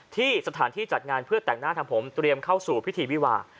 ที่สถานที่จัดงานเพื่อแต่งหน้าทำผมเตรียมเข้าสู่พิธีวิวา